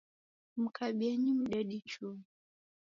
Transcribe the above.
Mkabienyi mdedi chui